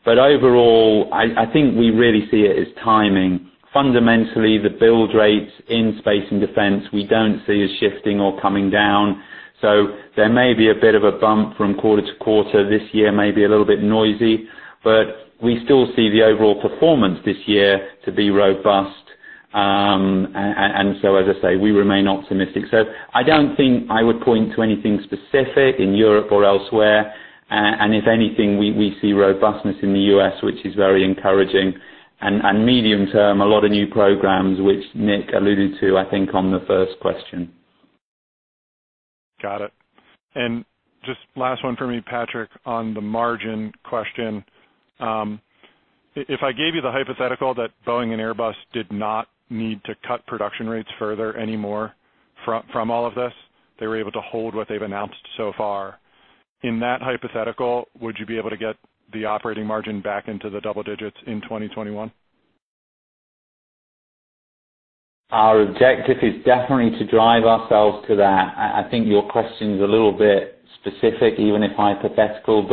Overall, I think we really see it as timing. Fundamentally, the build rates in Space and Defense, we don't see as shifting or coming down. There may be a bit of a bump from quarter to quarter this year, maybe a little bit noisy, but we still see the overall performance this year to be robust. As I say, we remain optimistic. I don't think I would point to anything specific in Europe or elsewhere. If anything, we see robustness in the U.S., which is very encouraging, and medium term, a lot of new programs, which Nick alluded to, I think on the first question. Got it. Just last one for me, Patrick, on the margin question. If I gave you the hypothetical that Boeing and Airbus did not need to cut production rates further anymore from all of this, they were able to hold what they've announced so far. In that hypothetical, would you be able to get the operating margin back into the double digits in 2021? Our objective is definitely to drive ourselves to that. I think your question's a little bit specific, even if hypothetical.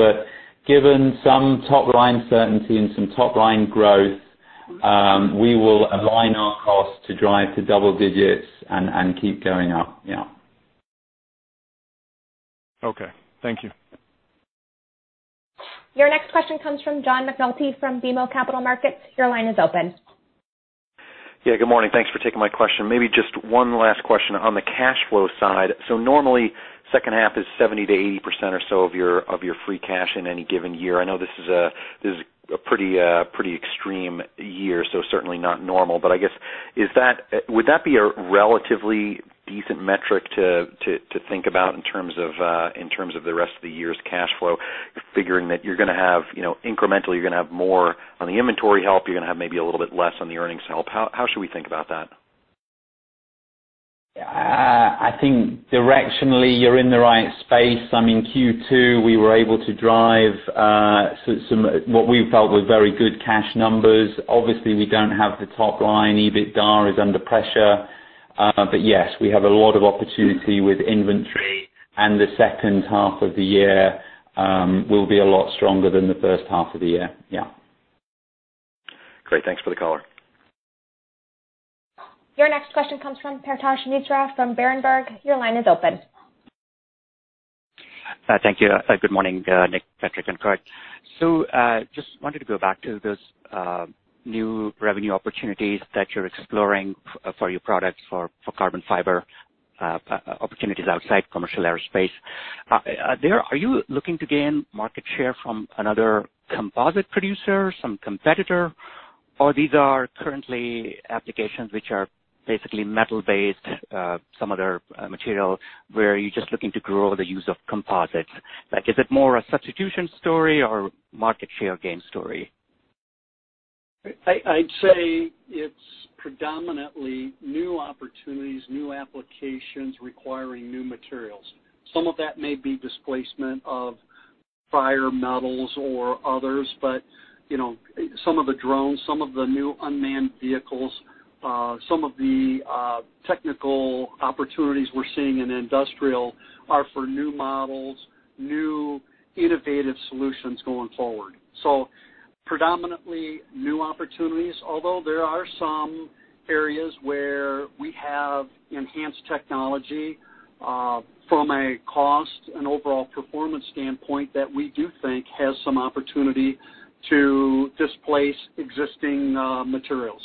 Given some top-line certainty and some top-line growth, we will align our costs to drive to double digits and keep going up, yeah. Okay. Thank you. Your next question comes from John McNulty from BMO Capital Markets. Your line is open. Yeah, good morning. Thanks for taking my question. Maybe just one last question on the cash flow side. Normally, second half is 70%-80% or so of your free cash in any given year. I know this is a pretty extreme year, so certainly not normal. I guess, would that be a relatively decent metric to think about in terms of the rest of the year's cash flow, figuring that incrementally you're going to have more on the inventory help, you're going to have maybe a little bit less on the earnings help. How should we think about that? I think directionally, you're in the right space. Q2, we were able to drive what we felt was very good cash numbers. Obviously, we don't have the top line. EBITDA is under pressure. Yes, we have a lot of opportunity with inventory, and the second half of the year will be a lot stronger than the first half of the year, yeah. Great. Thanks for the color. Your next question comes from Paretosh Misra from Berenberg. Your line is open. Thank you. Good morning, Nick, Patrick, and Kurt. Just wanted to go back to those new revenue opportunities that you're exploring for your products for carbon fiber opportunities outside commercial aerospace. Are you looking to gain market share from another composite producer, some competitor, or these are currently applications which are basically metal-based, some other material where you're just looking to grow the use of composites? Is it more a substitution story or market share gain story? I'd say it's predominantly new opportunities, new applications requiring new materials. Some of that may be displacement of prior metals or others. Some of the drones, some of the new unmanned vehicles, some of the technical opportunities we're seeing in industrial are for new models, new innovative solutions going forward. Predominantly new opportunities, although there are some areas where we have enhanced technology, from a cost and overall performance standpoint that we do think has some opportunity to displace existing materials.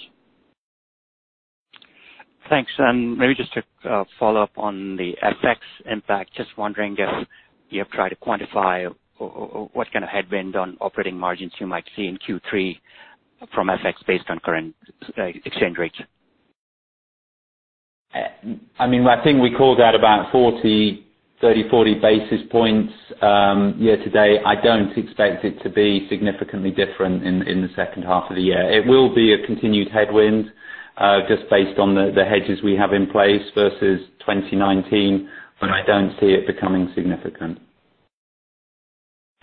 Thanks. Maybe just to follow up on the FX impact, just wondering if you have tried to quantify what kind of headwind on operating margins you might see in Q3 from FX based on current exchange rates. I think we called out about 30 basis points, 40 basis points year to date. I don't expect it to be significantly different in the second half of the year. It will be a continued headwind, just based on the hedges we have in place versus 2019, but I don't see it becoming significant.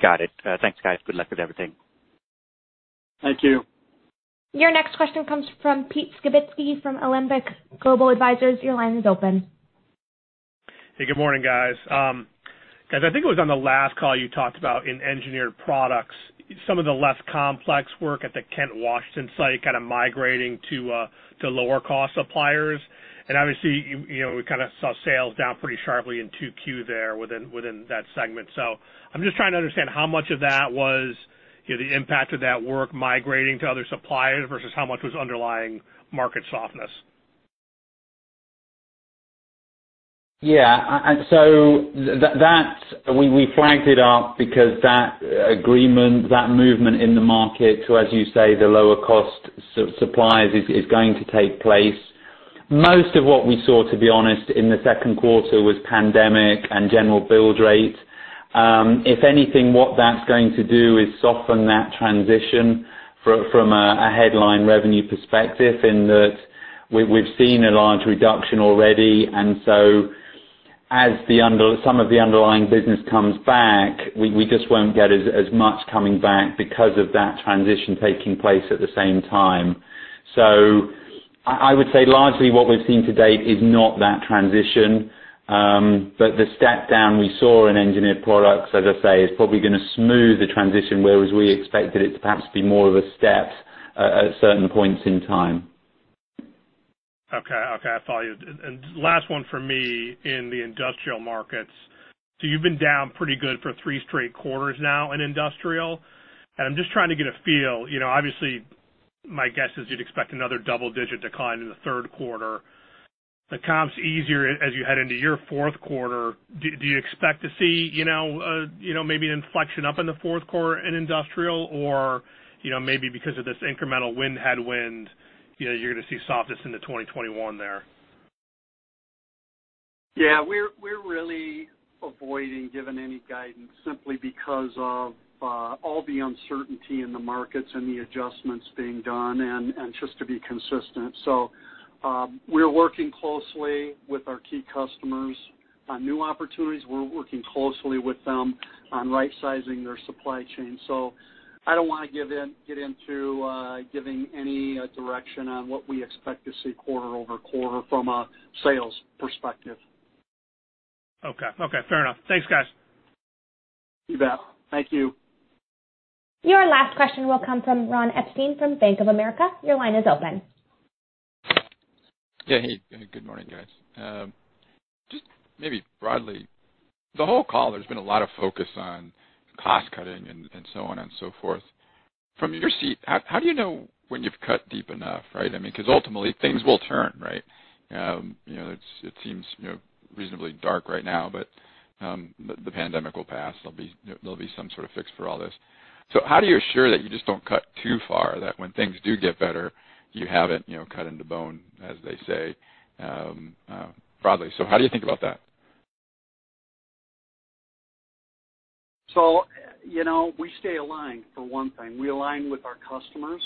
Got it. Thanks, guys. Good luck with everything. Thank you. Your next question comes from Pete Skibitski from Alembic Global Advisors. Your line is open. Hey, good morning, guys. Guys, I think it was on the last call you talked about in Engineered Products, some of the less complex work at the Kent, Washington site kind of migrating to lower cost suppliers. Obviously, we kind of saw sales down pretty sharply in 2Q there within that segment. I'm just trying to understand how much of that was the impact of that work migrating to other suppliers versus how much was underlying market softness. Yeah. We flagged it up because that agreement, that movement in the market to, as you say, the lower cost suppliers is going to take place. Most of what we saw, to be honest, in the second quarter was pandemic and general build rate. If anything, what that's going to do is soften that transition from a headline revenue perspective in that we've seen a large reduction already. As some of the underlying business comes back, we just won't get as much coming back because of that transition taking place at the same time. I would say largely what we've seen to date is not that transition. The step down we saw in Engineered Products, as I say, is probably going to smooth the transition, whereas we expected it to perhaps be more of a step at certain points in time. Last one from me in the industrial markets. You've been down pretty good for three straight quarters now in industrial, and I'm just trying to get a feel. Obviously, my guess is you'd expect another double-digit decline in the third quarter. The comp's easier as you head into your fourth quarter. Do you expect to see maybe an inflection up in the fourth quarter in industrial or maybe because of this incremental wind headwind, you're going to see softness into 2021 there? Yeah, we're really avoiding giving any guidance simply because of all the uncertainty in the markets and the adjustments being done, and just to be consistent. We're working closely with our key customers on new opportunities. We're working closely with them on right-sizing their supply chain. I don't want to get into giving any direction on what we expect to see quarter-over-quarter from a sales perspective. Okay. Fair enough. Thanks, guys. You bet. Thank you. Your last question will come from Ron Epstein from Bank of America. Your line is open. Yeah. Hey, good morning, guys. Just maybe broadly, the whole call, there's been a lot of focus on cost-cutting and so on and so forth. From your seat, how do you know when you've cut deep enough, right? I mean, because ultimately things will turn, right? It seems reasonably dark right now, but the pandemic will pass. There'll be some sort of fix for all this. How do you assure that you just don't cut too far, that when things do get better, you haven't cut into bone, as they say, broadly? How do you think about that? We stay aligned, for one thing. We align with our customers.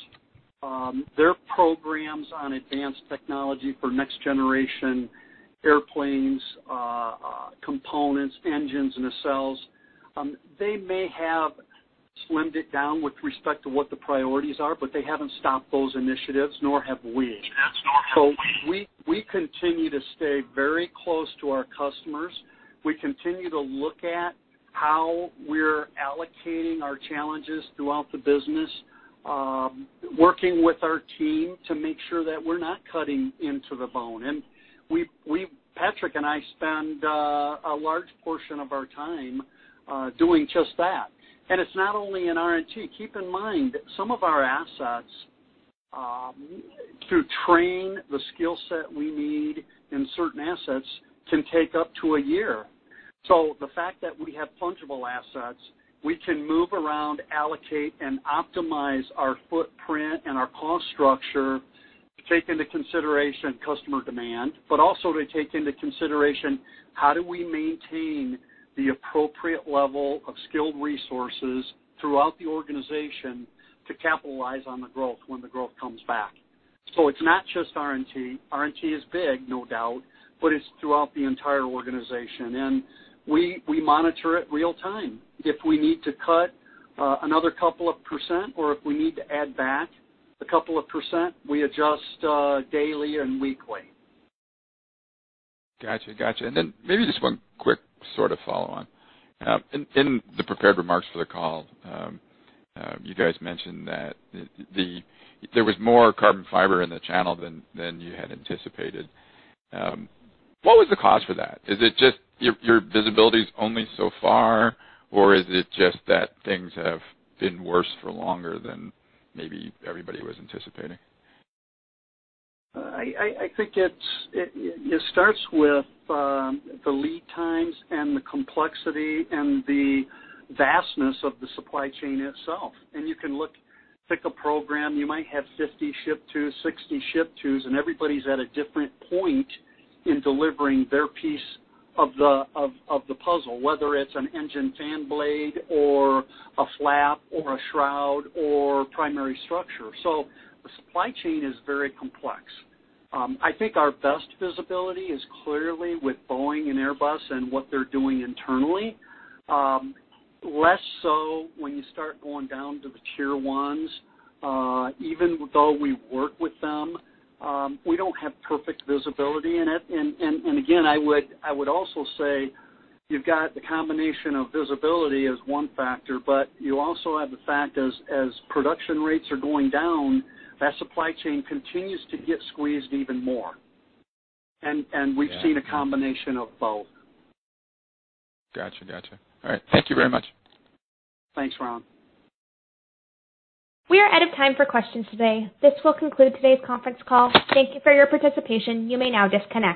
Their programs on advanced technology for next generation airplanes, components, engines, nacelles, they may have slimmed it down with respect to what the priorities are, but they haven't stopped those initiatives, nor have we. We continue to stay very close to our customers. We continue to look at how we're allocating our challenges throughout the business, working with our team to make sure that we're not cutting into the bone. Patrick and I spend a large portion of our time doing just that. It's not only in R&T. Keep in mind, some of our assets, to train the skill set we need in certain assets can take up to a year. The fact that we have fungible assets, we can move around, allocate, and optimize our footprint and our cost structure to take into consideration customer demand, but also to take into consideration how do we maintain the appropriate level of skilled resources throughout the organization to capitalize on the growth when the growth comes back. It's not just R&T. R&T is big, no doubt, but it's throughout the entire organization. We monitor it real time. If we need to cut another couple of percent or if we need to add back a couple of percent, we adjust daily and weekly. Got you. Then maybe just one quick sort of follow-on. In the prepared remarks for the call, you guys mentioned that there was more carbon fiber in the channel than you had anticipated. What was the cause for that? Is it just your visibility is only so far, or is it just that things have been worse for longer than maybe everybody was anticipating? I think it starts with the lead times and the complexity and the vastness of the supply chain itself. You can look, pick a program, you might have 50 ship-tos, 60 ship-tos, and everybody's at a different point in delivering their piece of the puzzle, whether it's an engine fan blade or a flap or a shroud or primary structure. The supply chain is very complex. I think our best visibility is clearly with Boeing and Airbus and what they're doing internally. Less so when you start going down to the tier 1s. Even though we work with them, we don't have perfect visibility in it. Again, I would also say you've got the combination of visibility as one factor, but you also have the fact as production rates are going down, that supply chain continues to get squeezed even more. We've seen a combination of both. Got you. All right. Thank you very much. Thanks, Ron. We are out of time for questions today. This will conclude today's conference call. Thank you for your participation. You may now disconnect.